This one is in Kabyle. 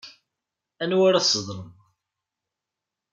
Anwa ara tesḍelmeḍ?